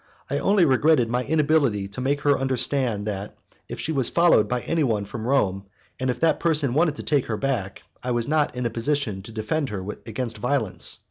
I only regretted my inability to make her understand that, if she was followed by anyone from Rome, and if that person wanted to take her back, I was not in a position to defend her against violence.